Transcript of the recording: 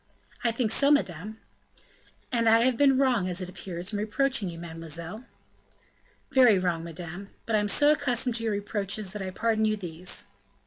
"I think so, madame." "And I have been wrong, as it appears, in reproaching you, mademoiselle." "Very wrong, madame; but I am so accustomed to your reproaches, that I pardon you these."